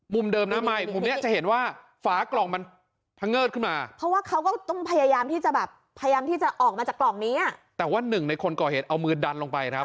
เดิมนะไม่มุมเนี้ยจะเห็นว่าฝากล่องมันพังเงิดขึ้นมาเพราะว่าเขาก็ต้องพยายามที่จะแบบพยายามที่จะออกมาจากกล่องนี้อ่ะแต่ว่าหนึ่งในคนก่อเหตุเอามือดันลงไปครับ